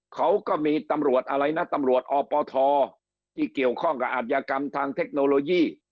เขาก็มีตำรวจอะไรนะตำรวจอปทที่เกี่ยวข้องกับอัธยกรรมทางเทคโนโลยี